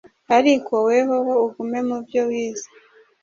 Ariko wehoho ugume mu byo wize,